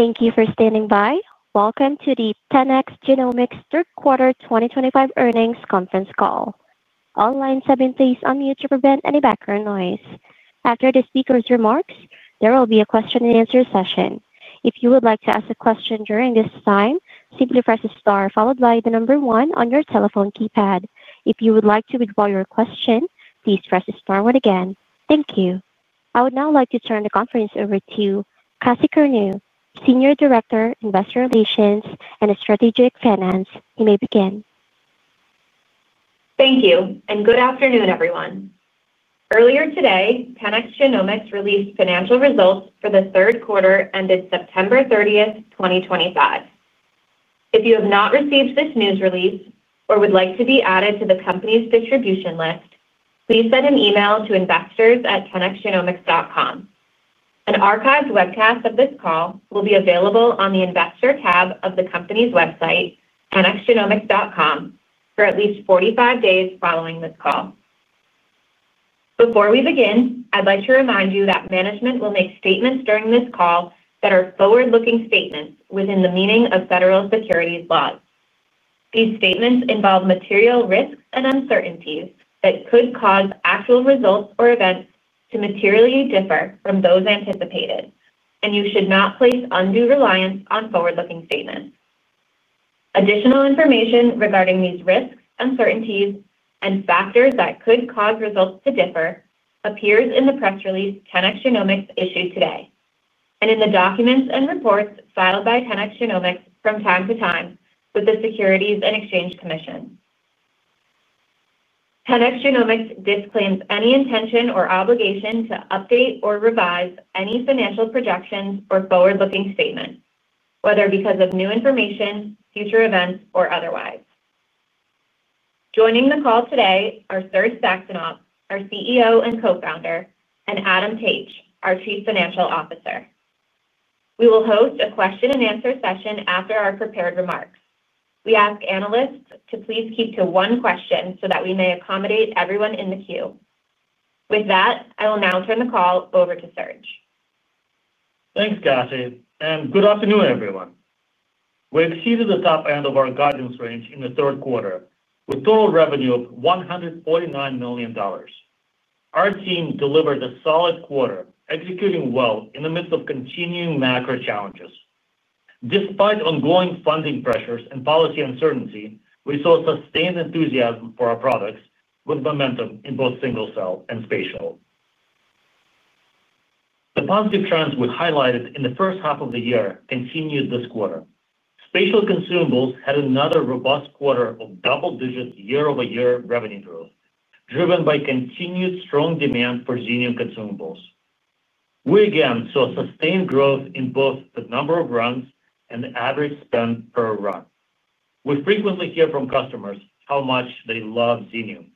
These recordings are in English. Thank you for standing by. Welcome to the 10x Genomics Q3 2025 earnings conference call. All lines have been placed on mute to prevent any background noise. After the speaker's remarks, there will be a question-and-answer session. If you would like to ask a question during this time, simply press the star followed by the number one on your telephone keypad. If you would like to withdraw your question, please press the star once again. Thank you. I would now like to turn the conference over to Cassie Corneau, Senior Director, Investor Relations and Strategic Finance. You may begin. Thank you, and good afternoon, everyone. Earlier today, 10x Genomics released financial results for the third quarter ended September 30, 2025. If you have not received this news release or would like to be added to the company's distribution list, please send an email to investors@10xgenomics.com. An archived webcast of this call will be available on the Investor tab of the company's website, 10xgenomics.com, for at least 45 days following this call. Before we begin, I'd like to remind you that management will make statements during this call that are forward-looking statements within the meaning of federal securities laws. These statements involve material risks and uncertainties that could cause actual results or events to materially differ from those anticipated, and you should not place undue reliance on forward-looking statements. Additional information regarding these risks, uncertainties, and factors that could cause results to differ appears in the press release 10x Genomics issued today and in the documents and reports filed by 10x Genomics from time to time with the Securities and Exchange Commission. 10x Genomics disclaims any intention or obligation to update or revise any financial projections or forward-looking statements, whether because of new information, future events, or otherwise. Joining the call today are Serge Saxonov, our CEO and co-founder, and Adam Taich, our Chief Financial Officer. We will host a question-and-answer session after our prepared remarks. We ask analysts to please keep to one question so that we may accommodate everyone in the queue. With that, I will now turn the call over to Serge. Thanks, Cassie. Good afternoon, everyone. We exceeded the top end of our guidance range in the third quarter with total revenue of $149 million. Our team delivered a solid quarter, executing well in the midst of continuing macro challenges. Despite ongoing funding pressures and policy uncertainty, we saw sustained enthusiasm for our products with momentum in both single-cell and spatial. The positive trends we highlighted in the first half of the year continued this quarter. Spatial consumables had another robust quarter of double-digit year-over-year revenue growth, driven by continued strong demand for genome consumables. We again saw sustained growth in both the number of runs and the average spend per run. We frequently hear from customers how much they love Xenium,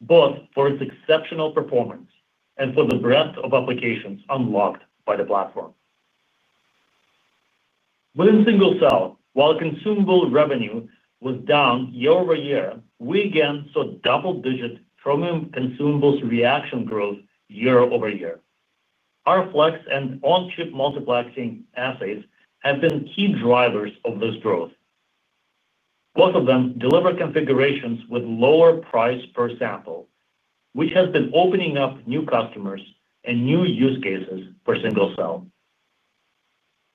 both for its exceptional performance and for the breadth of applications unlocked by the platform. Within single-cell, while consumable revenue was down year-over-year, we again saw double-digit Chromium consumables reaction growth year-over-year. Our Flex and On-Chip Multiplexing assets have been key drivers of this growth. Both of them deliver configurations with lower price per sample, which has been opening up new customers and new use cases for single-cell.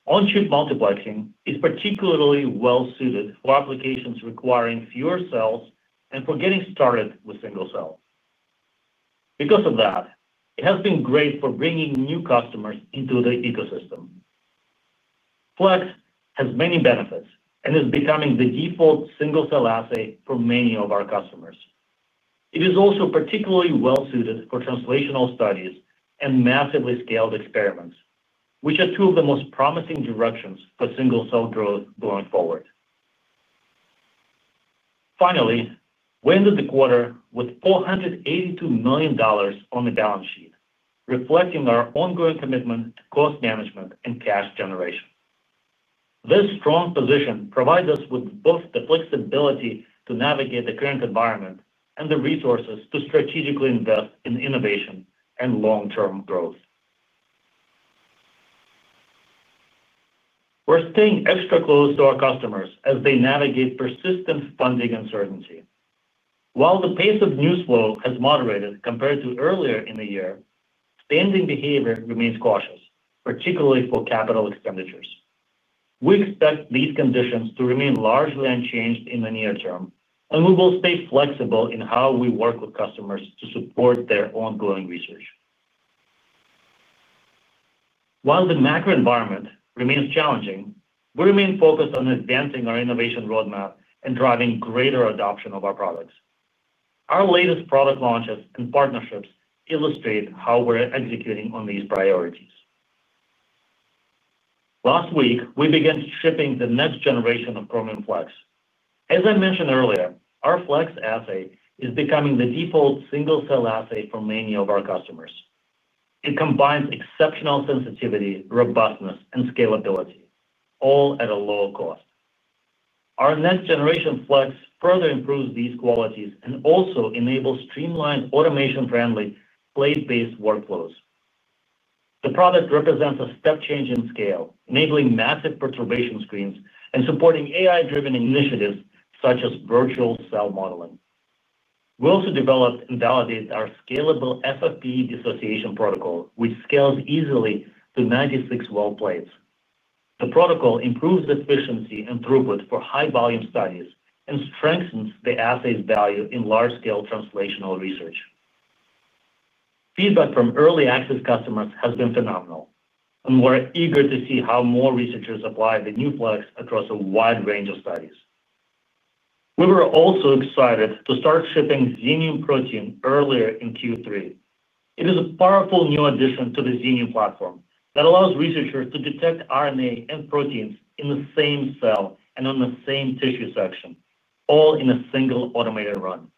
On-Chip Multiplexing is particularly well-suited for applications requiring fewer cells and for getting started with single-cell. Because of that, it has been great for bringing new customers into the ecosystem. Flex has many benefits and is becoming the default single-cell assay for many of our customers. It is also particularly well-suited for translational studies and massively scaled experiments, which are two of the most promising directions for single-cell growth going forward. Finally, we ended the quarter with $482 million on the balance sheet, reflecting our ongoing commitment to cost management and cash generation. This strong position provides us with both the flexibility to navigate the current environment and the resources to strategically invest in innovation and long-term growth. We're staying extra close to our customers as they navigate persistent funding uncertainty. While the pace of news flow has moderated compared to earlier in the year, spending behavior remains cautious, particularly for capital expenditures. We expect these conditions to remain largely unchanged in the near term, and we will stay flexible in how we work with customers to support their ongoing research. While the macro environment remains challenging, we remain focused on advancing our innovation roadmap and driving greater adoption of our products. Our latest product launches and partnerships illustrate how we're executing on these priorities. Last week, we began shipping the next generation of Chromium Flex. As I mentioned earlier, our Flex assay is becoming the default single-cell assay for many of our customers. It combines exceptional sensitivity, robustness, and scalability, all at a low cost. Our next generation Flex further improves these qualities and also enables streamlined, automation-friendly, plate-based workflows. The product represents a step change in scale, enabling massive perturbation screens and supporting AI-driven initiatives such as virtual cell modeling. We also developed and validated our scalable FFPE dissociation protocol, which scales easily to 96 well plates. The protocol improves efficiency and throughput for high-volume studies and strengthens the assay's value in large-scale translational research. Feedback from early-access customers has been phenomenal, and we're eager to see how more researchers apply the new Flex across a wide range of studies. We were also excited to start shipping Xenium Protein earlier in Q3. It is a powerful new addition to the Xenium platform that allows researchers to detect RNA and proteins in the same cell and on the same tissue section, all in a single automated run.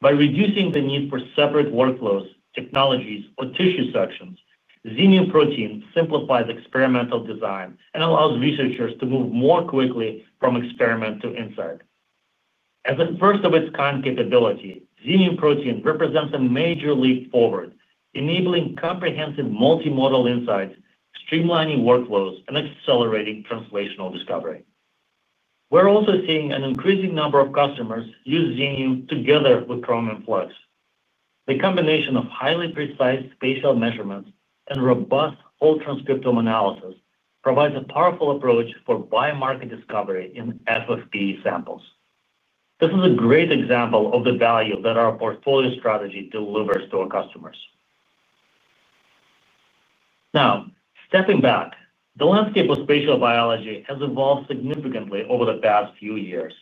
By reducing the need for separate workflows, technologies, or tissue sections, Xenium Protein simplifies experimental design and allows researchers to move more quickly from experiment to insight. As a first-of-its-kind capability, Xenium Protein represents a major leap forward, enabling comprehensive multimodal insights, streamlining workflows, and accelerating translational discovery. We're also seeing an increasing number of customers use Xenium together with Chromium Flex. The combination of highly precise spatial measurements and robust ultra-encryptome analysis provides a powerful approach for biomarker discovery in FFPE samples. This is a great example of the value that our portfolio strategy delivers to our customers. Now, stepping back, the landscape of spatial biology has evolved significantly over the past few years.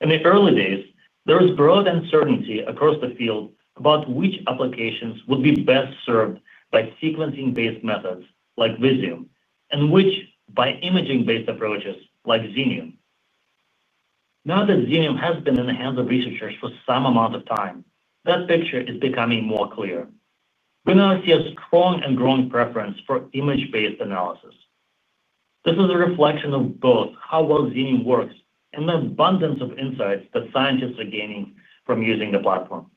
In the early days, there was broad uncertainty across the field about which applications would be best served by sequencing-based methods like Visium and which by imaging-based approaches like Xenium. Now that Xenium has been in the hands of researchers for some amount of time, that picture is becoming more clear. We now see a strong and growing preference for image-based analysis. This is a reflection of both how well Xenium works and the abundance of insights that scientists are gaining from using the platform.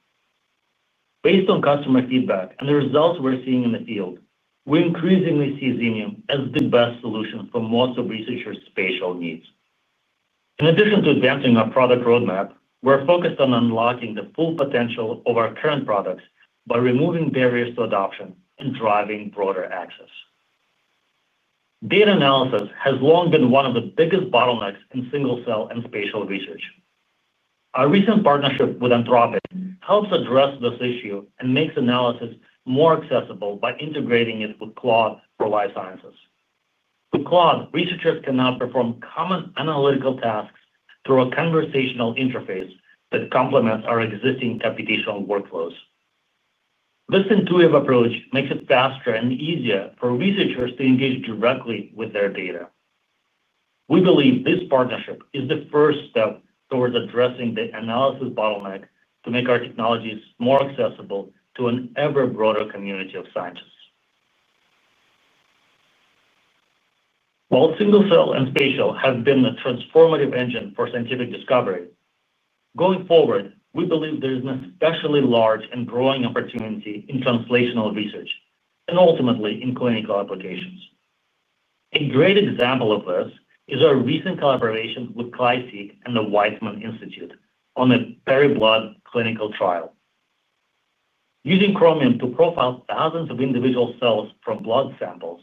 Based on customer feedback and the results we're seeing in the field, we increasingly see Xenium as the best solution for most of researchers' spatial needs. In addition to advancing our product roadmap, we're focused on unlocking the full potential of our current products by removing barriers to adoption and driving broader access. Data analysis has long been one of the biggest bottlenecks in single-cell and spatial research. Our recent partnership with Anthropic helps address this issue and makes analysis more accessible by integrating it with Claude for life sciences. With Claude, researchers can now perform common analytical tasks through a conversational interface that complements our existing computational workflows. This intuitive approach makes it faster and easier for researchers to engage directly with their data. We believe this partnership is the first step towards addressing the analysis bottleneck to make our technologies more accessible to an ever-broader community of scientists. While single-cell and spatial have been the transformative engine for scientific discovery, going forward, we believe there is an especially large and growing opportunity in translational research and ultimately in clinical applications. A great example of this is our recent collaboration with CLI-SEQ and the Weizmann Institute on a periblood clinical trial. Using Chromium to profile thousands of individual cells from blood samples,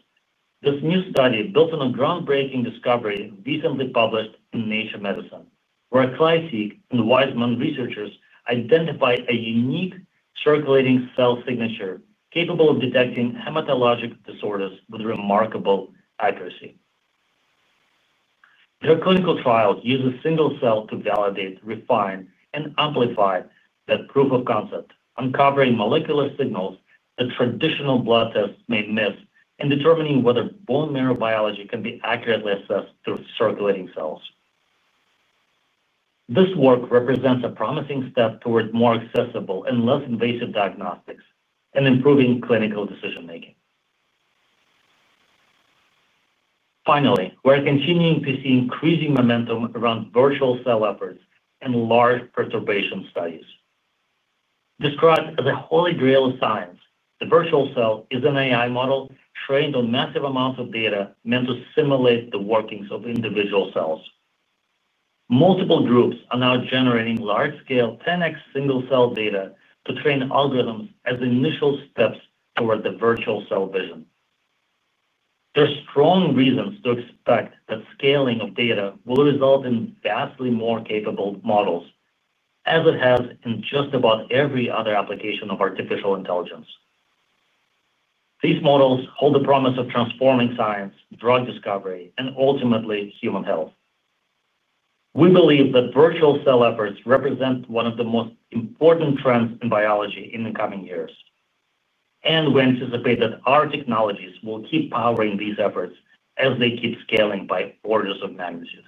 this new study built on a groundbreaking discovery recently published in Nature Medicine, where CLI-SEQ and Weizmann researchers identified a unique circulating cell signature capable of detecting hematologic disorders with remarkable accuracy. Their clinical trial uses single-cell to validate, refine, and amplify that proof of concept, uncovering molecular signals that traditional blood tests may miss and determining whether bone marrow biology can be accurately assessed through circulating cells. This work represents a promising step toward more accessible and less invasive diagnostics and improving clinical decision-making. Finally, we're continuing to see increasing momentum around virtual cell efforts and large perturbation studies. Described as a holy grail of science, the virtual cell is an AI model trained on massive amounts of data meant to simulate the workings of individual cells. Multiple groups are now generating large-scale 10X single-cell data to train algorithms as initial steps toward the virtual cell vision. There are strong reasons to expect that scaling of data will result in vastly more capable models, as it has in just about every other application of artificial intelligence. These models hold the promise of transforming science, drug discovery, and ultimately human health. We believe that virtual cell efforts represent one of the most important trends in biology in the coming years. We anticipate that our technologies will keep powering these efforts as they keep scaling by orders of magnitude.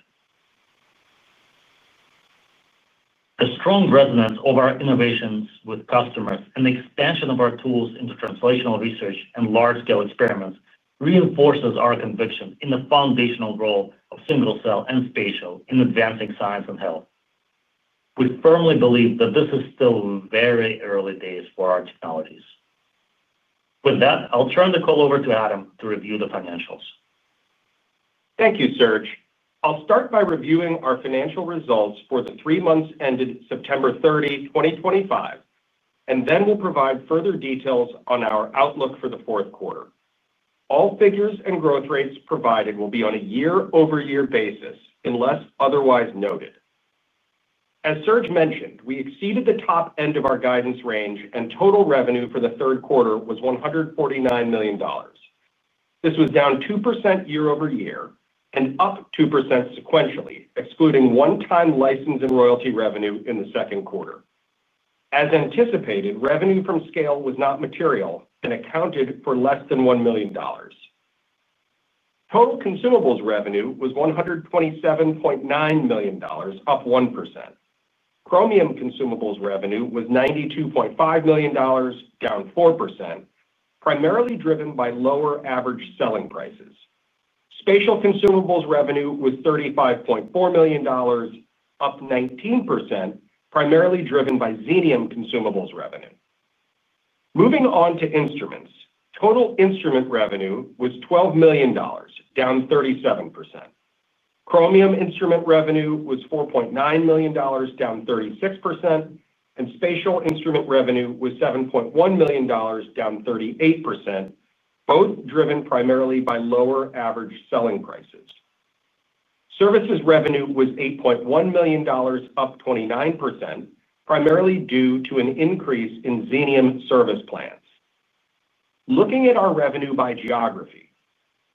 The strong resonance of our innovations with customers and the expansion of our tools into translational research and large-scale experiments reinforces our conviction in the foundational role of single-cell and spatial in advancing science and health. We firmly believe that this is still very early days for our technologies. With that, I'll turn the call over to Adam to review the financials. Thank you, Serge. I'll start by reviewing our financial results for the three months ended September 30, 2025, and then we'll provide further details on our outlook for the fourth quarter. All figures and growth rates provided will be on a year-over-year basis unless otherwise noted. As Serge mentioned, we exceeded the top end of our guidance range, and total revenue for the third quarter was $149 million. This was down 2% year-over-year and up 2% sequentially, excluding one-time license and royalty revenue in the second quarter. As anticipated, revenue from scale was not material and accounted for less than $1 million. Total consumables revenue was $127.9 million, up 1%. Chromium consumables revenue was $92.5 million, down 4%, primarily driven by lower average selling prices. Spatial consumables revenue was $35.4 million, up 19%, primarily driven by Xenium consumables revenue. Moving on to instruments, total instrument revenue was $12 million, down 37%. Chromium instrument revenue was $4.9 million, down 36%, and spatial instrument revenue was $7.1 million, down 38%, both driven primarily by lower average selling prices. Services revenue was $8.1 million, up 29%, primarily due to an increase in Xenium service plans. Looking at our revenue by geography,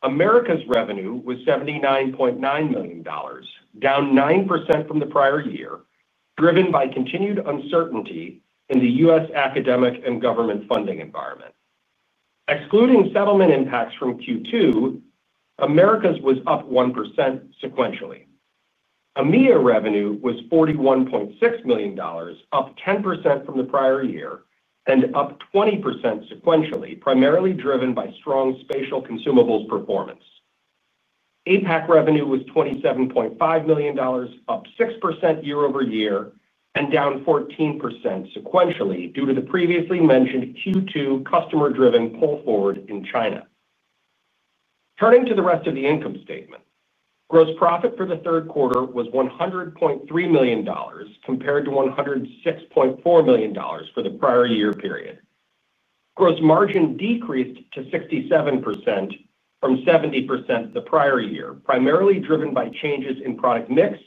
Americas revenue was $79.9 million, down 9% from the prior year, driven by continued uncertainty in the U.S. academic and government funding environment. Excluding settlement impacts from Q2, Americas was up 1% sequentially. AMEA revenue was $41.6 million, up 10% from the prior year, and up 20% sequentially, primarily driven by strong spatial consumables performance. APAC revenue was $27.5 million, up 6% year-over-year and down 14% sequentially due to the previously mentioned Q2 customer-driven pull forward in China. Turning to the rest of the income statement, gross profit for the third quarter was $100.3 million compared to $106.4 million for the prior year period. Gross margin decreased to 67% from 70% the prior year, primarily driven by changes in product mix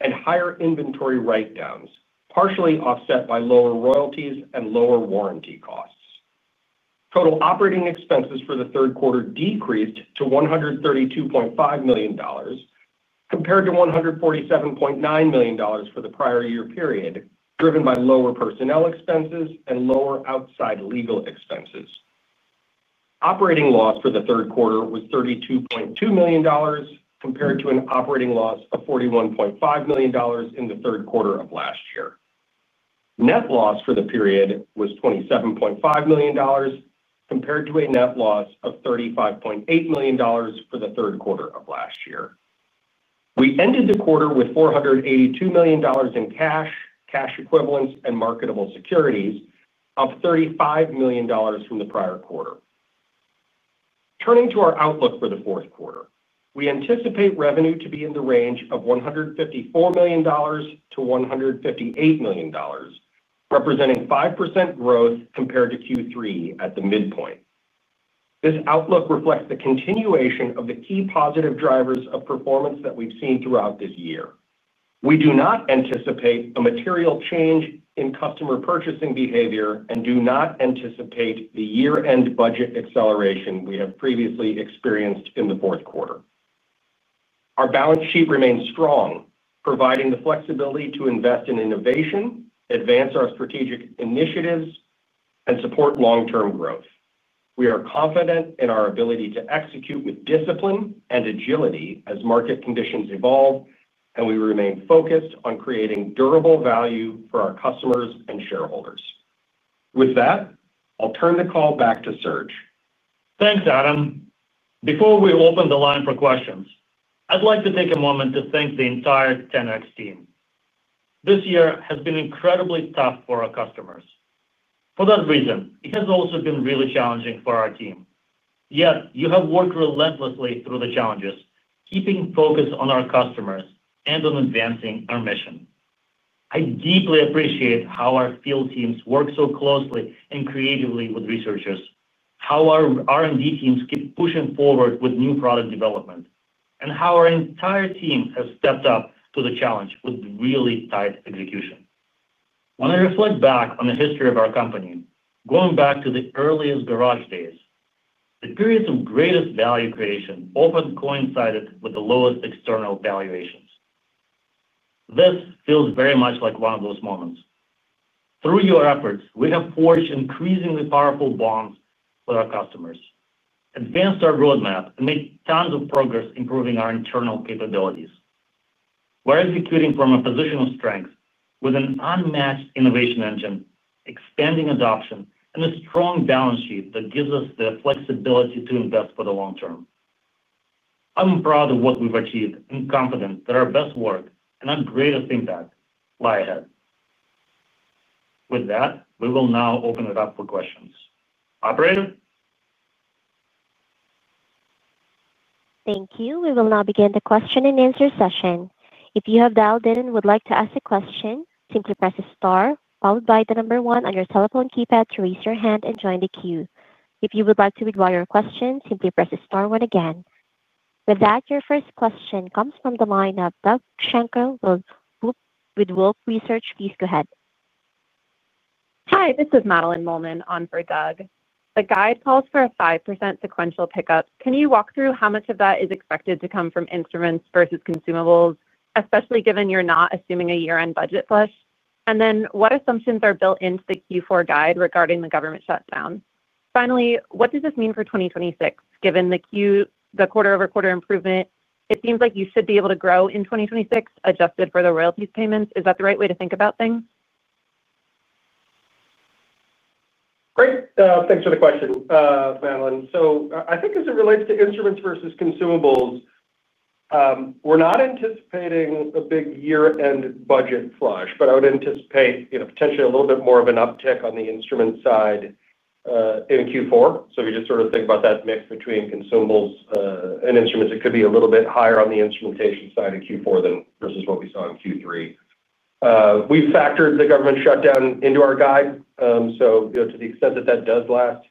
and higher inventory write-downs, partially offset by lower royalties and lower warranty costs. Total operating expenses for the third quarter decreased to $132.5 million compared to $147.9 million for the prior year period, driven by lower personnel expenses and lower outside legal expenses. Operating loss for the third quarter was $32.2 million compared to an operating loss of $41.5 million in the third quarter of last year. Net loss for the period was $27.5 million compared to a net loss of $35.8 million for the third quarter of last year. We ended the quarter with $482 million in cash, cash equivalents, and marketable securities, up $35 million from the prior quarter. Turning to our outlook for the fourth quarter, we anticipate revenue to be in the range of $154 million-$158 million, representing 5% growth compared to Q3 at the midpoint. This outlook reflects the continuation of the key positive drivers of performance that we've seen throughout this year. We do not anticipate a material change in customer purchasing behavior and do not anticipate the year-end budget acceleration we have previously experienced in the fourth quarter. Our balance sheet remains strong, providing the flexibility to invest in innovation, advance our strategic initiatives, and support long-term growth. We are confident in our ability to execute with discipline and agility as market conditions evolve, and we remain focused on creating durable value for our customers and shareholders. With that, I'll turn the call back to Serge. Thanks, Adam. Before we open the line for questions, I'd like to take a moment to thank the entire 10x team. This year has been incredibly tough for our customers. For that reason, it has also been really challenging for our team. Yet, you have worked relentlessly through the challenges, keeping focus on our customers and on advancing our mission. I deeply appreciate how our field teams work so closely and creatively with researchers, how our R&D teams keep pushing forward with new product development, and how our entire team has stepped up to the challenge with really tight execution. When I reflect back on the history of our company, going back to the earliest garage days, the periods of greatest value creation often coincided with the lowest external valuations. This feels very much like one of those moments. Through your efforts, we have forged increasingly powerful bonds with our customers, advanced our roadmap, and made tons of progress improving our internal capabilities. We're executing from a position of strength with an unmatched innovation engine, expanding adoption, and a strong balance sheet that gives us the flexibility to invest for the long term. I'm proud of what we've achieved and confident that our best work and our greatest impact lie ahead. With that, we will now open it up for questions. Operator? Thank you. We will now begin the question-and-answer session. If you have dialed in and would like to ask a question, simply press the star followed by the number one on your telephone keypad to raise your hand and join the queue. If you would like to withdraw your question, simply press the star one again. With that, your first question comes from the line of Doug Schenkel with Wolfe Research. Please go ahead. Hi, this is Madeline Molman on for Doug. The guide calls for a 5% sequential pickup. Can you walk through how much of that is expected to come from instruments versus consumables, especially given you're not assuming a year-end budget flush? What assumptions are built into the Q4 guide regarding the government shutdown? Finally, what does this mean for 2026? Given the quarter-over-quarter improvement, it seems like you should be able to grow in 2026, adjusted for the royalties payments. Is that the right way to think about things? Great. Thanks for the question, Madeline. I think as it relates to instruments versus consumables, we're not anticipating a big year-end budget flush, but I would anticipate potentially a little bit more of an uptick on the instrument side in Q4. If you just sort of think about that mix between consumables and instruments, it could be a little bit higher on the instrumentation side in Q4 versus what we saw in Q3. We've factored the government shutdown into our guide. To the extent that that does last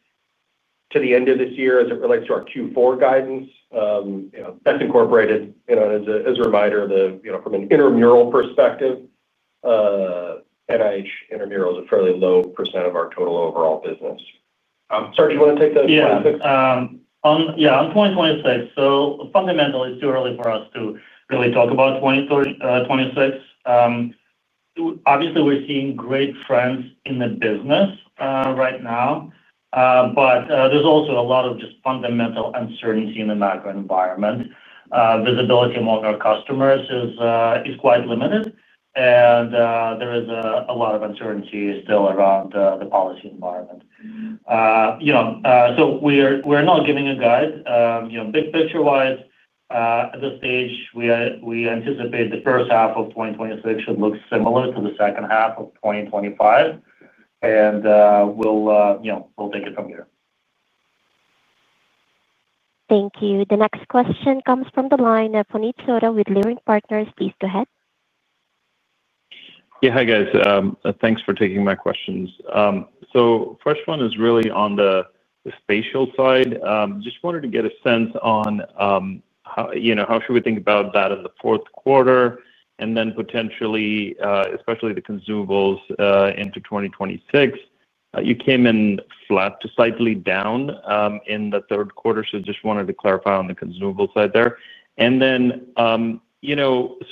to the end of this year as it relates to our Q4 guidance, that's incorporated. As a reminder, from an intramural perspective, NIH intramural is a fairly low % of our total overall business. Serge, you want to take the 26th? Yeah. On 2026, so fundamentally, it's too early for us to really talk about 2026. Obviously, we're seeing great trends in the business right now. But there's also a lot of just fundamental uncertainty in the macro environment. Visibility among our customers is quite limited, and there is a lot of uncertainty still around the policy environment. We're not giving a guide. Big picture-wise, at this stage, we anticipate the first half of 2026 should look similar to the second half of 2025. We'll take it from here. Thank you. The next question comes from the line of Juanit Soto with Learning Partners. Please go ahead. Yeah. Hi, guys. Thanks for taking my questions. The first one is really on the spatial side. Just wanted to get a sense on how should we think about that in the fourth quarter and then potentially, especially the consumables into 2026. You came in flat to slightly down in the third quarter, so just wanted to clarify on the consumable side there.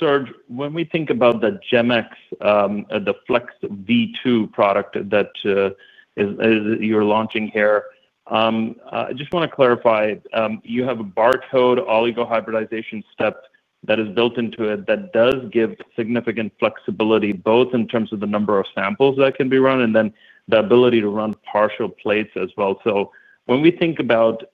Serge, when we think about the GEM-X, the Flex V2 product that you're launching here, I just want to clarify, you have a barcode oligohybridization step that is built into it that does give significant flexibility both in terms of the number of samples that can be run and the ability to run partial plates as well. When we think about.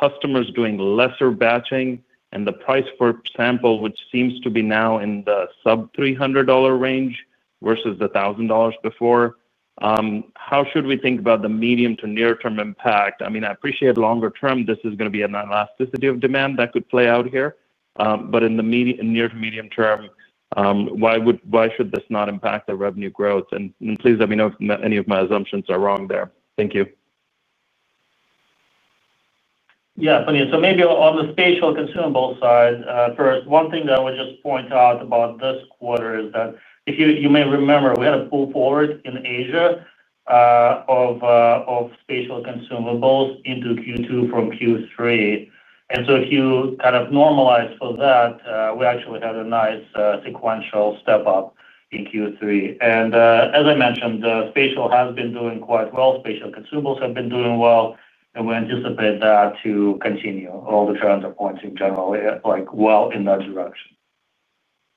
Customers doing lesser batching and the price per sample, which seems to be now in the sub-$300 range versus the $1,000 before, how should we think about the medium to near-term impact? I mean, I appreciate longer-term, this is going to be an elasticity of demand that could play out here. In the near to medium term, why should this not impact the revenue growth? And please let me know if any of my assumptions are wrong there. Thank you. Yeah. Maybe on the spatial consumable side, first, one thing that I would just point out about this quarter is that you may remember we had a pull forward in Asia of spatial consumables into Q2 from Q3. If you kind of normalize for that, we actually had a nice sequential step up in Q3. As I mentioned, spatial has been doing quite well. Spatial consumables have been doing well. We anticipate that to continue. All the trends are pointing generally well in that direction.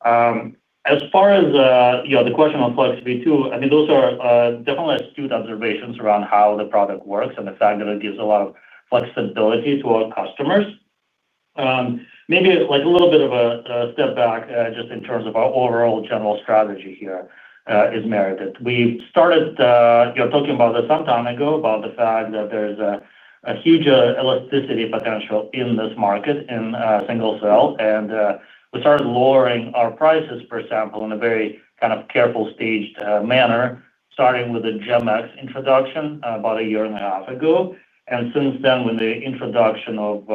As far as the question on Flex V2, I mean, those are definitely astute observations around how the product works and the fact that it gives a lot of flexibility to our customers. Maybe a little bit of a step back just in terms of our overall general strategy here is merited. We started talking about this some time ago about the fact that there's a huge elasticity potential in this market in single cell. We started lowering our prices, for example, in a very kind of careful staged manner, starting with the GEM-X introduction about a year and a half ago. Since then, with the introduction of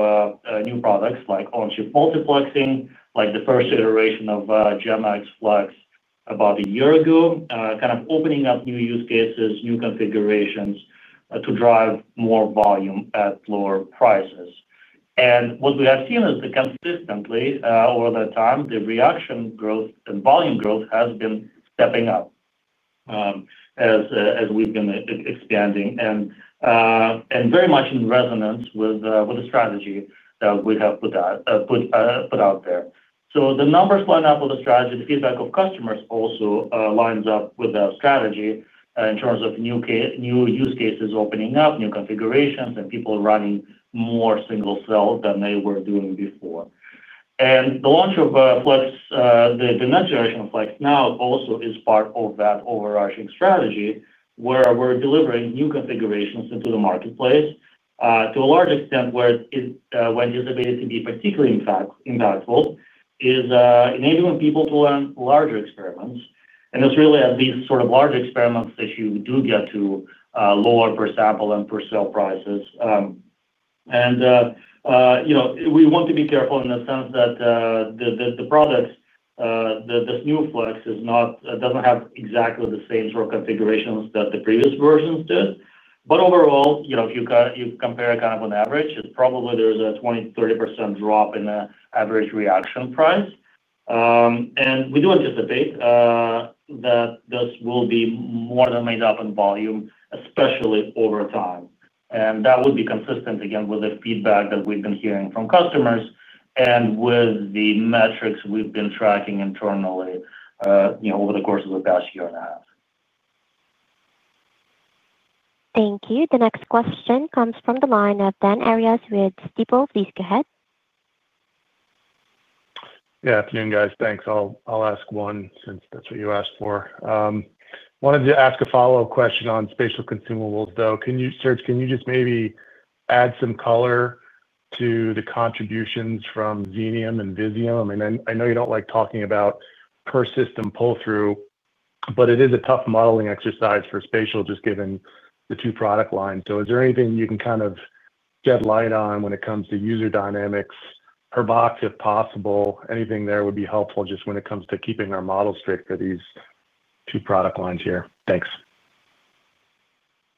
new products like on-chip multiplexing, like the first iteration of GEM-X Flex about a year ago, kind of opening up new use cases, new configurations to drive more volume at lower prices. What we have seen is that consistently over that time, the reaction growth and volume growth has been stepping up as we've been expanding and very much in resonance with the strategy that we have put out there. The numbers line up with the strategy. The feedback of customers also lines up with our strategy in terms of new use cases opening up, new configurations, and people running more single cell than they were doing before. The launch of the next generation of Flex now also is part of that overarching strategy where we're delivering new configurations into the marketplace to a large extent. Where it's able to be particularly impactful is enabling people to learn larger experiments. It's really at least sort of larger experiments that you do get to lower per sample and per cell prices. We want to be careful in the sense that the product, this new Flex, doesn't have exactly the same sort of configurations that the previous versions did. Overall, if you compare kind of on average, it's probably there's a 20%-30% drop in the average reaction price. We do anticipate that this will be more than made up in volume, especially over time. That would be consistent, again, with the feedback that we've been hearing from customers and with the metrics we've been tracking internally over the course of the past year and a half. Thank you. The next question comes from the line of Dan Arias with Stifel. Please go ahead. Yeah. Afternoon, guys. Thanks. I'll ask one since that's what you asked for. Wanted to ask a follow-up question on spatial consumables, though. Serge, can you just maybe add some color to the contributions from Xenium and Visium? I mean, I know you don't like talking about per system pull-through, but it is a tough modeling exercise for spatial just given the two product lines. Is there anything you can kind of shed light on when it comes to user dynamics per box, if possible? Anything there would be helpful just when it comes to keeping our model straight for these two product lines here. Thanks.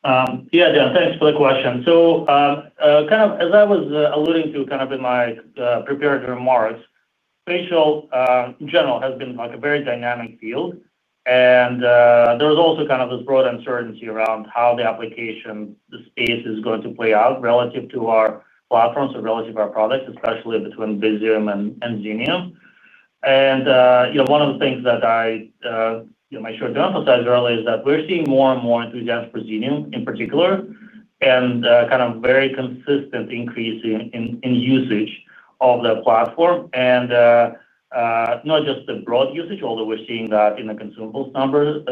Yeah, Dan, thanks for the question. Kind of as I was alluding to in my prepared remarks, spatial in general has been a very dynamic field. There's also this broad uncertainty around how the application, the space is going to play out relative to our platforms or relative to our products, especially between Visium and Xenium. One of the things that I made sure to emphasize early is that we're seeing more and more enthusiasts for Xenium in particular. Very consistent increase in usage of the platform. Not just the broad usage, although we're seeing that in the consumable numbers,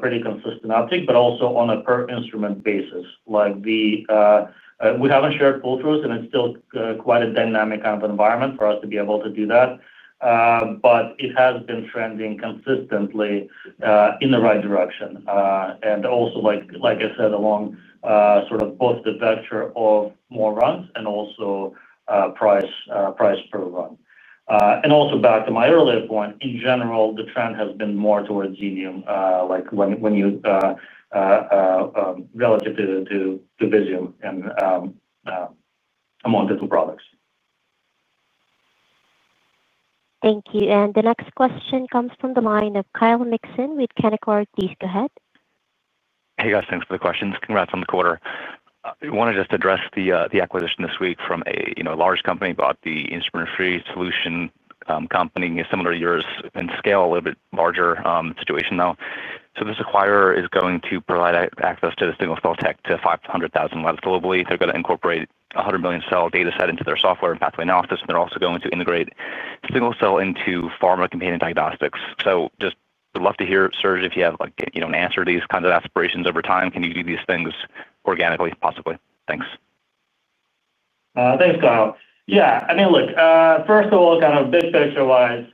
pretty consistent uptake, but also on a per instrument basis. We haven't shared pull-throughs, and it's still quite a dynamic environment for us to be able to do that. It has been trending consistently in the right direction. Also, like I said, along sort of both the vector of more runs and also price per run. Also, back to my earlier point, in general, the trend has been more towards Xenium when you, relative to Visium and among the two products. Thank you. The next question comes from the line of Kyle Nixon with Kennicor. Please go ahead. Hey, guys. Thanks for the questions. Congrats on the quarter. I want to just address the acquisition this week from a large company about the instrument-free solution company, similar to yours in scale, a little bit larger situation now. This acquirer is going to provide access to the single cell tech to 500,000 labs globally. They're going to incorporate a 100-million-cell data set into their software and pathway analysis. They're also going to integrate single cell into pharma container diagnostics. Just would love to hear, Serge, if you have an answer to these kinds of aspirations over time. Can you do these things organically, possibly? Thanks. Thanks, Kyle. Yeah. I mean, look, first of all, kind of big picture-wise.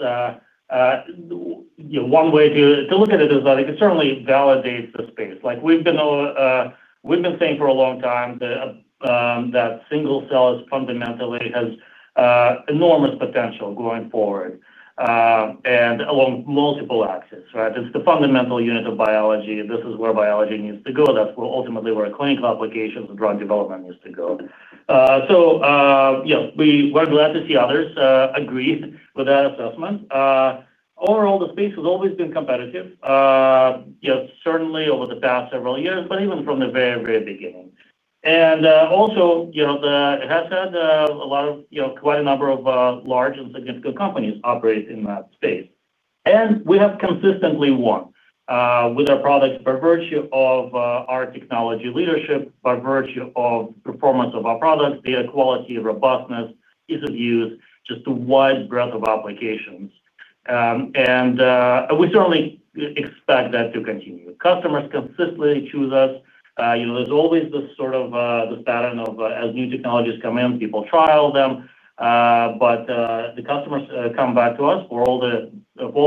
One way to look at it is that it certainly validates the space. We've been saying for a long time that single cell fundamentally has enormous potential going forward. And along multiple axes, right? It's the fundamental unit of biology. This is where biology needs to go. That's ultimately where clinical applications and drug development needs to go. Yeah, we're glad to see others agree with that assessment. Overall, the space has always been competitive. Certainly over the past several years, but even from the very, very beginning. Also, it has had quite a number of large and significant companies operate in that space. We have consistently won with our products by virtue of our technology leadership, by virtue of the performance of our product, data quality, robustness, ease of use, just a wide breadth of applications. We certainly expect that to continue. Customers consistently choose us. There is always this sort of pattern of as new technologies come in, people trial them. The customers come back to us for all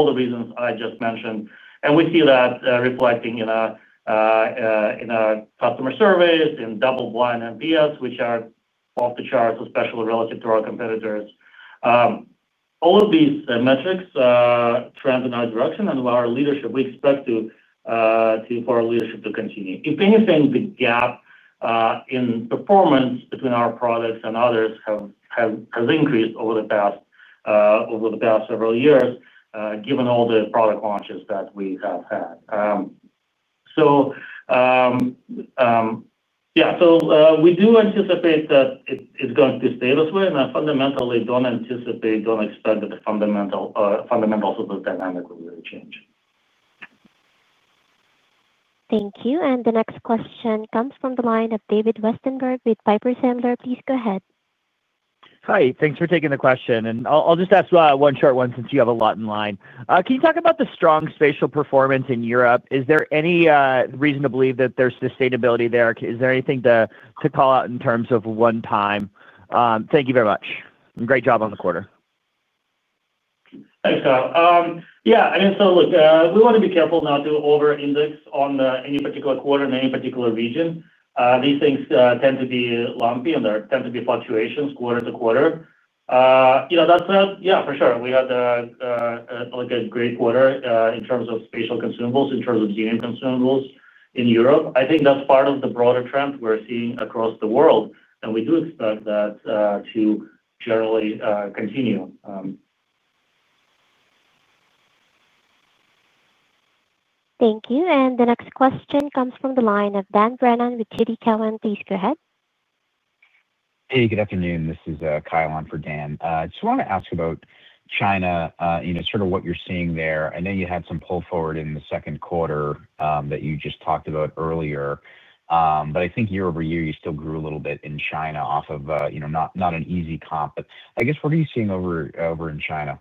the reasons I just mentioned. We see that reflecting in our customer service, in double-blind MPS, which are off the charts, especially relative to our competitors. All of these metrics trend in our direction, and our leadership, we expect, for our leadership to continue. If anything, the gap in performance between our products and others has increased over the past several years, given all the product launches that we have had. Yeah, we do anticipate that it's going to stay this way. I fundamentally don't anticipate, don't expect that the fundamentals of the dynamic will really change. Thank you. The next question comes from the line of David Westenberg with Piper Sandler. Please go ahead. Hi. Thanks for taking the question. I'll just ask one short one since you have a lot in line. Can you talk about the strong spatial performance in Europe? Is there any reason to believe that there's sustainability there? Is there anything to call out in terms of one time? Thank you very much. Great job on the quarter. Thanks, Kyle. Yeah. I mean, look, we want to be careful not to over-index on any particular quarter in any particular region. These things tend to be lumpy, and there tend to be fluctuations quarter to quarter. That said, yeah, for sure, we had a great quarter in terms of spatial consumables, in terms of Xenium consumables in Europe. I think that's part of the broader trend we're seeing across the world. We do expect that to generally continue. Thank you. The next question comes from the line of Dan Brennan with TD Cowen. Please go ahead. Hey, good afternoon. This is Kyle on for Dan. Just wanted to ask about China, sort of what you're seeing there. I know you had some pull forward in the second quarter that you just talked about earlier. I think year over year, you still grew a little bit in China off of not an easy comp. I guess, what are you seeing over in China?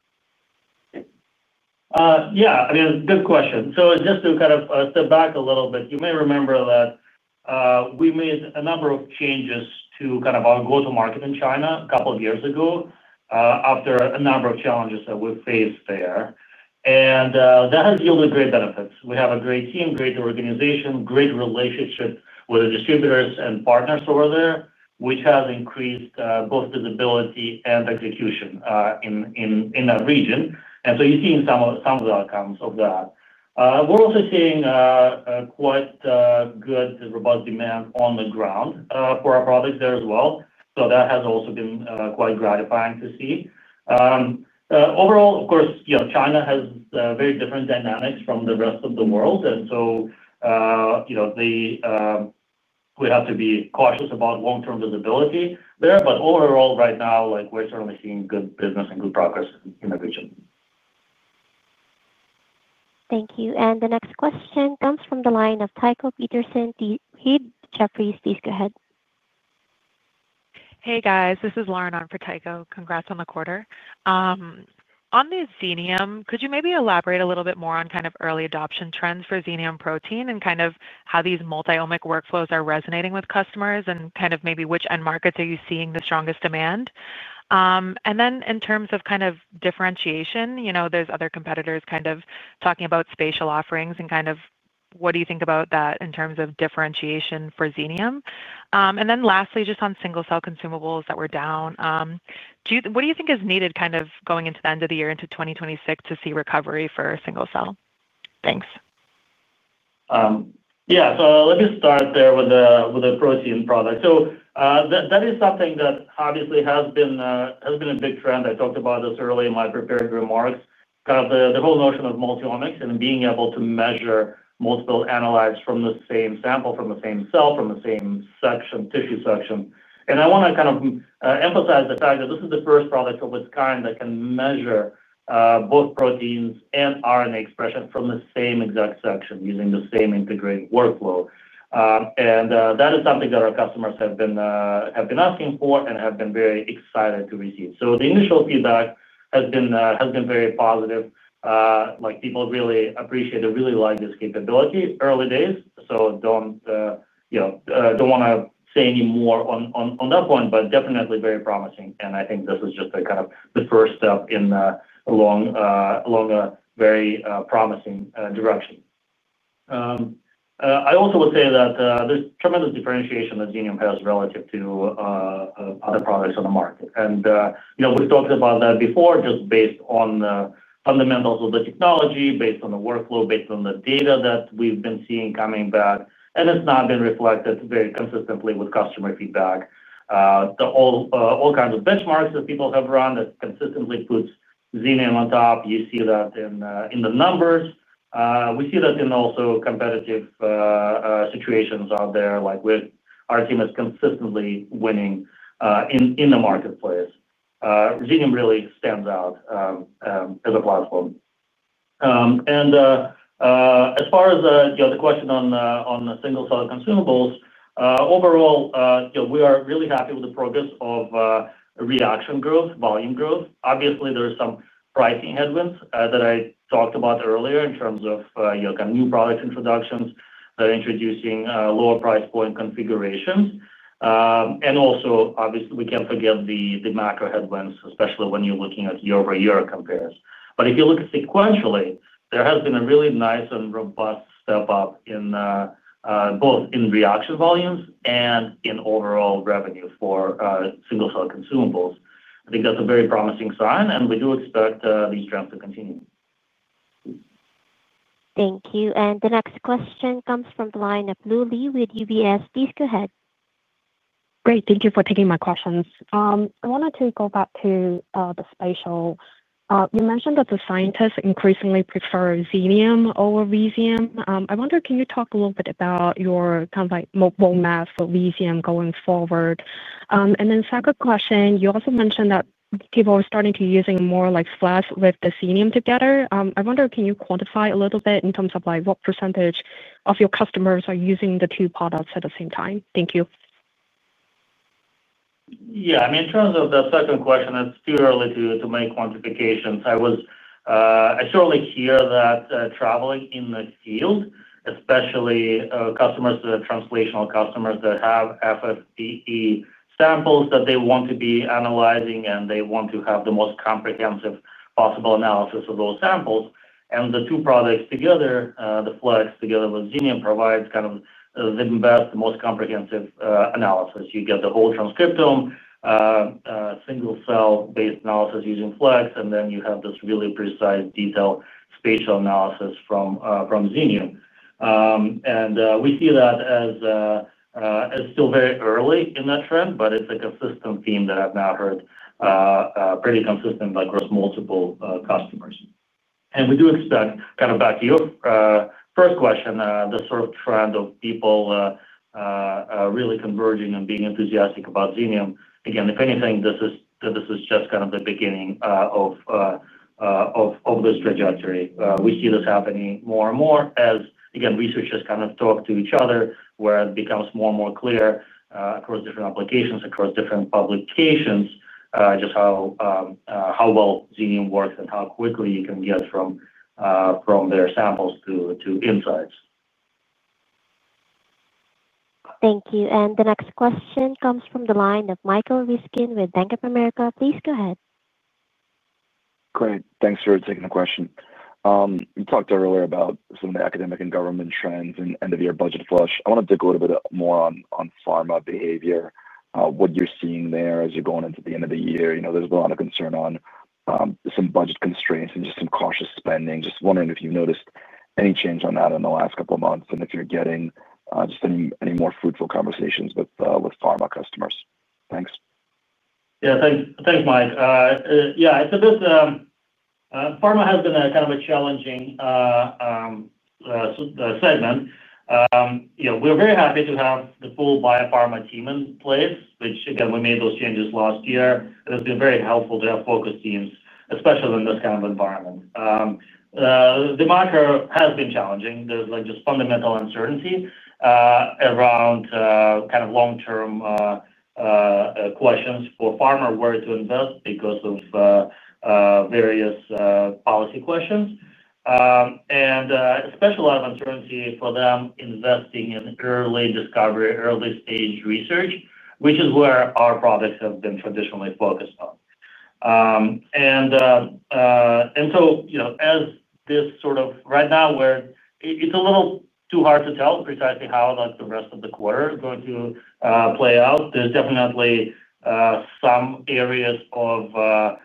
Yeah. I mean, good question. Just to kind of step back a little bit, you may remember that we made a number of changes to kind of our go-to-market in China a couple of years ago after a number of challenges that we faced there. That has yielded great benefits. We have a great team, great organization, great relationship with the distributors and partners over there, which has increased both visibility and execution in that region. You are seeing some of the outcomes of that. We are also seeing quite good robust demand on the ground for our products there as well. That has also been quite gratifying to see. Overall, of course, China has very different dynamics from the rest of the world. We have to be cautious about long-term visibility there. Overall, right now, we're certainly seeing good business and good progress in the region. Thank you. The next question comes from the line of Tycho Peterson. Hey, Jeffrey, please go ahead. Hey, guys. This is Lauren on for Taiko. Congrats on the quarter. On the Xenium, could you maybe elaborate a little bit more on kind of early adoption trends for Xenium Protein and kind of how these multi-omic workflows are resonating with customers and kind of maybe which end markets are you seeing the strongest demand? In terms of kind of differentiation, there are other competitors kind of talking about spatial offerings and what do you think about that in terms of differentiation for Xenium? Lastly, just on single cell consumables that were down, what do you think is needed going into the end of the year, into 2026, to see recovery for single cell? Thanks. Yeah. Let me start there with the protein product. That is something that obviously has been a big trend. I talked about this earlier in my prepared remarks, kind of the whole notion of multi-omics and being able to measure multiple analytes from the same sample, from the same cell, from the same tissue section. I want to kind of emphasize the fact that this is the first product of its kind that can measure both proteins and RNA expression from the same exact section using the same integrated workflow. That is something that our customers have been asking for and have been very excited to receive. The initial feedback has been very positive. People really appreciate it, really like this capability. Early days, so do not want to say any more on that point, but definitely very promising. I think this is just kind of the first step in a long, very promising direction. I also would say that there's tremendous differentiation that Xenium has relative to other products on the market. We've talked about that before, just based on the fundamentals of the technology, based on the workflow, based on the data that we've been seeing coming back. It's not been reflected very consistently with customer feedback. All kinds of benchmarks that people have run consistently put Xenium on top. You see that in the numbers. We see that in also competitive situations out there. Our team is consistently winning in the marketplace. Xenium really stands out as a platform. As far as the question on single cell consumables, overall, we are really happy with the progress of reaction growth, volume growth. Obviously, there are some pricing headwinds that I talked about earlier in terms of kind of new product introductions that are introducing lower price point configurations. Also, obviously, we can't forget the macro headwinds, especially when you're looking at year-over-year comparisons. If you look sequentially, there has been a really nice and robust step up in both in reaction volumes and in overall revenue for single cell consumables. I think that's a very promising sign, and we do expect these trends to continue. Thank you. The next question comes from the line of Lou Lee with UBS. Please go ahead. Great. Thank you for taking my questions. I wanted to go back to the spatial. You mentioned that the scientists increasingly prefer Xenium over Visium. I wonder, can you talk a little bit about your kind of mobile mass for Visium going forward? Then second question, you also mentioned that people are starting to use it more like flash with the Xenium together. I wonder, can you quantify a little bit in terms of what percentage of your customers are using the two products at the same time? Thank you. Yeah. I mean, in terms of the second question, it's too early to make quantifications. I certainly hear that traveling in the field, especially translational customers that have FFPE samples that they want to be analyzing, and they want to have the most comprehensive possible analysis of those samples. The two products together, the Flex together with Xenium, provides kind of the best, most comprehensive analysis. You get the whole transcriptome, single cell-based analysis using Flex, and then you have this really precise, detailed spatial analysis from Xenium. We see that as still very early in that trend, but it's a consistent theme that I've now heard, pretty consistent across multiple customers. We do expect, kind of back to your first question, the sort of trend of people really converging and being enthusiastic about Xenium. If anything, this is just kind of the beginning of. This trajectory. We see this happening more and more as, again, researchers kind of talk to each other, where it becomes more and more clear across different applications, across different publications, just how well Xenium works and how quickly you can get from their samples to insights. Thank you. The next question comes from the line of Michael Riskin with Bank of America. Please go ahead. Great. Thanks for taking the question. You talked earlier about some of the academic and government trends and end-of-year budget flush. I want to dig a little bit more on pharma behavior, what you're seeing there as you're going into the end of the year. There's been a lot of concern on some budget constraints and just some cautious spending. Just wondering if you've noticed any change on that in the last couple of months and if you're getting just any more fruitful conversations with pharma customers. Thanks. Yeah. Thanks, Mike. Yeah. Pharma has been kind of a challenging segment. We're very happy to have the full biopharma team in place, which, again, we made those changes last year. It has been very helpful to have focus teams, especially in this kind of environment. The macro has been challenging. There's just fundamental uncertainty around kind of long-term questions for pharma where to invest because of various policy questions. Especially a lot of uncertainty for them investing in early discovery, early-stage research, which is where our products have been traditionally focused on. As this sort of right now, it's a little too hard to tell precisely how the rest of the quarter is going to play out. There's definitely some areas of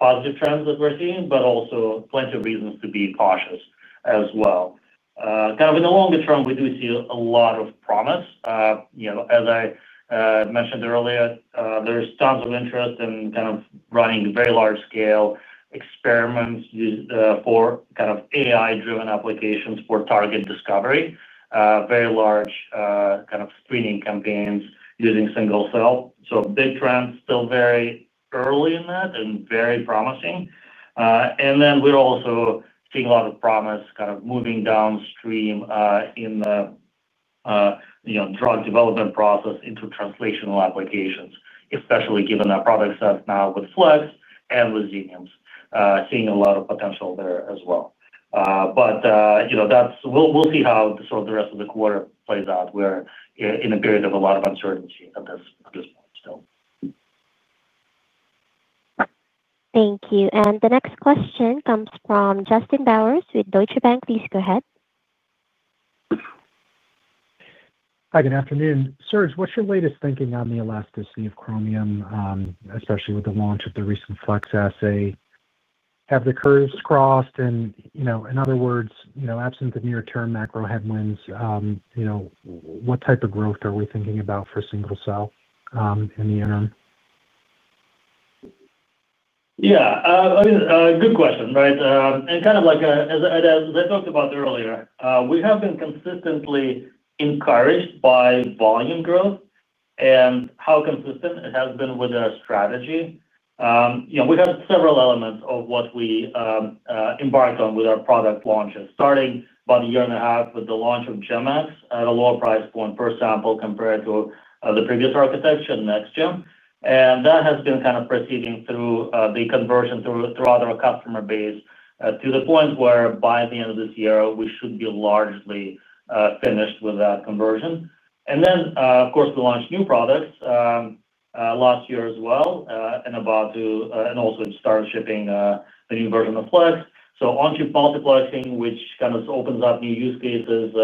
positive trends that we're seeing, but also plenty of reasons to be cautious as well. Kind of in the longer term, we do see a lot of promise. As I mentioned earlier, there's tons of interest in kind of running very large-scale experiments for kind of AI-driven applications for target discovery, very large kind of screening campaigns using single cell. Big trends, still very early in that and very promising. We are also seeing a lot of promise kind of moving downstream in the drug development process into translational applications, especially given our products now with Flex and with Xenium, seeing a lot of potential there as well. We will see how sort of the rest of the quarter plays out. We are in a period of a lot of uncertainty at this point still. Thank you. The next question comes from Justin Bowers with Deutsche Bank. Please go ahead. Hi, good afternoon. Sir, what's your latest thinking on the elasticity of Chromium, especially with the launch of the recent Flex assay? Have the curves crossed? In other words, absent the near-term macro headwinds, what type of growth are we thinking about for single cell in the interim? Yeah. I mean, good question, right? And kind of like as I talked about earlier, we have been consistently encouraged by volume growth and how consistent it has been with our strategy. We have several elements of what we embarked on with our product launches, starting about a year and a half with the launch of GEM-X at a lower price point per sample compared to the previous architecture, NextGem. That has been kind of proceeding through the conversion through our customer base to the point where by the end of this year, we should be largely finished with that conversion. Of course, we launched new products last year as well, and also started shipping the new version of Flex. On-chip multiplexing, which kind of opens up new use cases,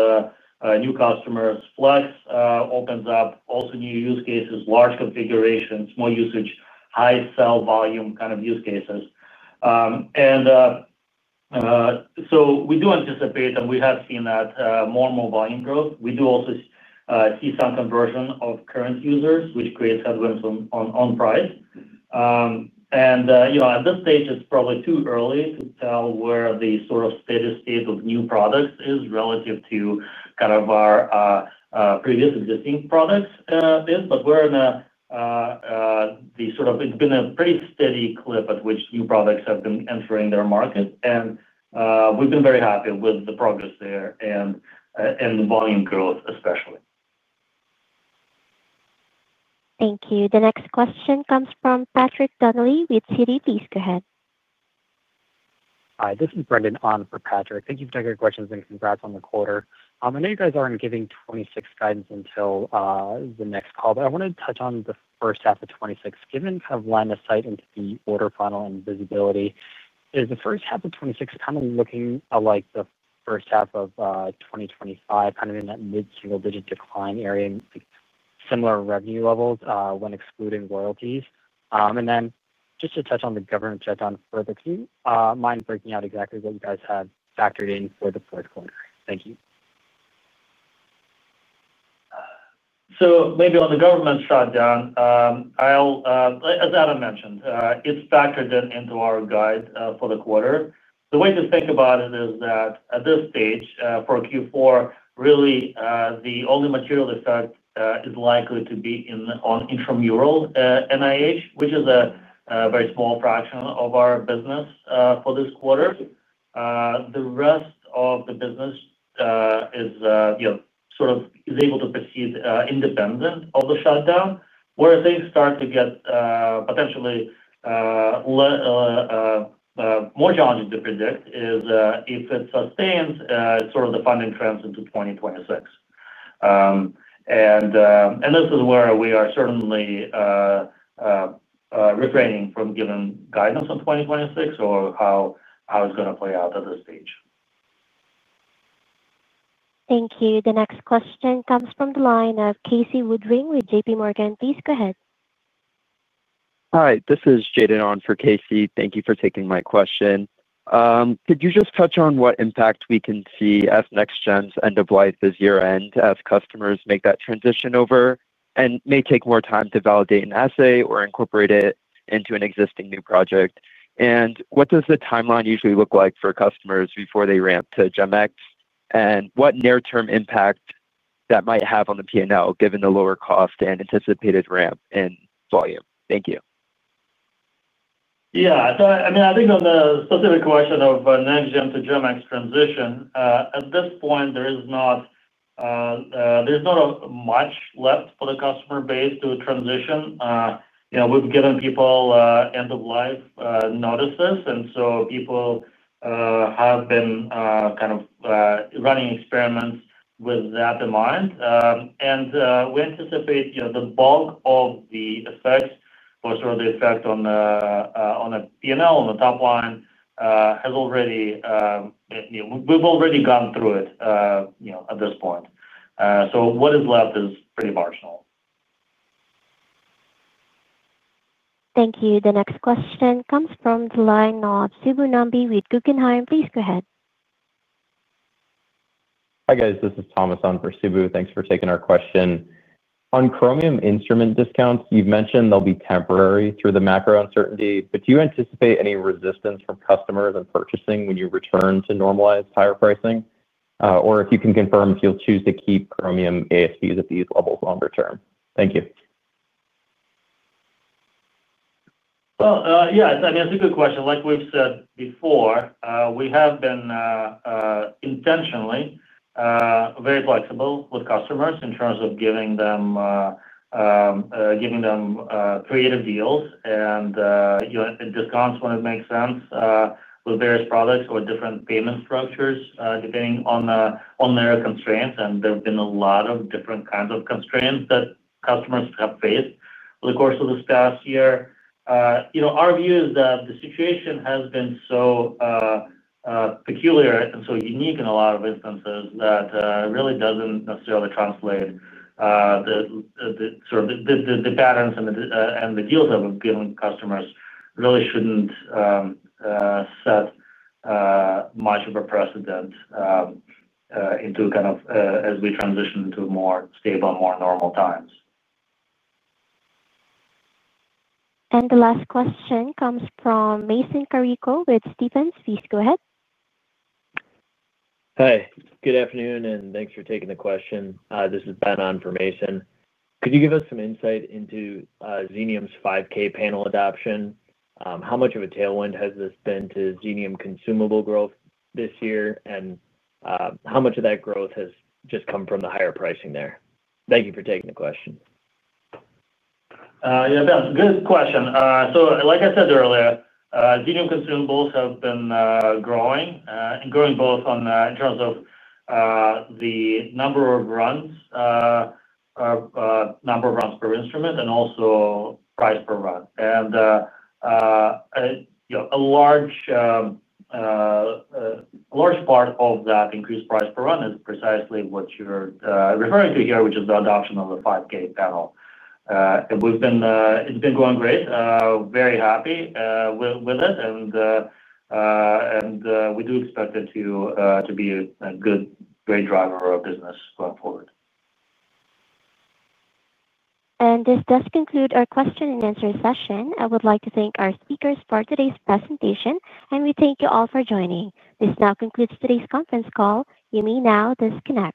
new customers. Flex opens up also new use cases, large configurations, small usage, high cell volume kind of use cases. We do anticipate that we have seen that more and more volume growth. We do also see some conversion of current users, which creates headwinds on price. At this stage, it's probably too early to tell where the sort of steady state of new products is relative to kind of our previous existing products is, but we're in a, the sort of, it's been a pretty steady clip at which new products have been entering their market. We've been very happy with the progress there and the volume growth, especially. Thank you. The next question comes from Patrick Donnelly with Citi. Please go ahead. Hi. This is Brendan on for Patrick. Thank you for taking our questions and congrats on the quarter. I know you guys aren't giving 2026 guidance until the next call, but I wanted to touch on the first half of 2026. Given kind of line of sight into the order funnel and visibility, is the first half of 2026 kind of looking like the first half of 2025, kind of in that mid-single-digit decline area, similar revenue levels when excluding royalties? And then just to touch on the government shutdown further, can you mind breaking out exactly what you guys have factored in for the fourth quarter? Thank you. Maybe on the government shutdown. As Adam mentioned, it's factored into our guide for the quarter. The way to think about it is that at this stage for Q4, really the only material effect is likely to be on intramural NIH, which is a very small fraction of our business for this quarter. The rest of the business is sort of able to proceed independent of the shutdown. Where things start to get potentially more challenging to predict is if it sustains sort of the funding trends into 2026. This is where we are certainly refraining from giving guidance on 2026 or how it's going to play out at this stage. Thank you. The next question comes from the line of Casey Woodring with J.P. Morgan. Please go ahead. Hi. This is Jaden on for Casey. Thank you for taking my question. Could you just touch on what impact we can see as NextGen's end-of-life is year-end as customers make that transition over and may take more time to validate an assay or incorporate it into an existing new project? What does the timeline usually look like for customers before they ramp to GEM-X? What near-term impact might that have on the P&L given the lower cost and anticipated ramp in volume? Thank you. Yeah. I mean, I think on the specific question of NextGen to GEM-X transition, at this point, there is not much left for the customer base to transition. We've given people end-of-life notices, and people have been kind of running experiments with that in mind. I anticipate the bulk of the effects or sort of the effect on the P&L on the top line has already—we've already gone through it at this point. What is left is pretty marginal. Thank you. The next question comes from the line of Sibu Nambi with Guggenheim. Please go ahead. Hi, guys. This is Thomas on for Sibu. Thanks for taking our question. On Chromium instrument discounts, you've mentioned they'll be temporary through the macro uncertainty, but do you anticipate any resistance from customers in purchasing when you return to normalized higher pricing? Or if you can confirm if you'll choose to keep Chromium ASPs at these levels longer term? Thank you. Yeah. I mean, it's a good question. Like we've said before, we have been intentionally very flexible with customers in terms of giving them creative deals and discounts when it makes sense with various products or different payment structures depending on their constraints. There have been a lot of different kinds of constraints that customers have faced over the course of this past year. Our view is that the situation has been so peculiar and so unique in a lot of instances that it really doesn't necessarily translate. Sort of the patterns and the deals that we've given customers really shouldn't set much of a precedent into kind of as we transition into more stable, more normal times. The last question comes from Mason Carico with Stephens. Please go ahead. Hi. Good afternoon, and thanks for taking the question. This is Ben on for Mason. Could you give us some insight into Xenium's 5K panel adoption? How much of a tailwind has this been to Xenium consumable growth this year? How much of that growth has just come from the higher pricing there? Thank you for taking the question. Yeah. Good question. Like I said earlier, Xenium consumables have been growing and growing both in terms of the number of runs, number of runs per instrument, and also price per run. A large part of that increased price per run is precisely what you're referring to here, which is the adoption of the 5K panel. It's been going great. Very happy with it. We do expect it to be a good, great driver of business going forward. This does conclude our question and answer session. I would like to thank our speakers for today's presentation, and we thank you all for joining. This now concludes today's conference call. You may now disconnect.